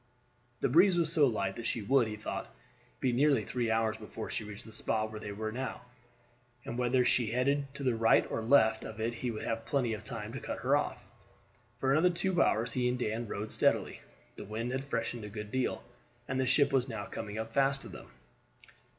The breeze was so light that she would, he thought, be nearly three hours before she reached the spot where they were now, and whether she headed to the right or left of it he would have plenty of time to cut her off. For another two hours he and Dan rowed steadily. The wind had freshened a good deal, and the ship was now coming up fast to them.